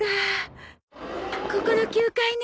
ここの９階ね。